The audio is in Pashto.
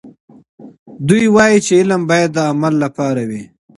دوی وایي چې علم باید د عمل لپاره وي.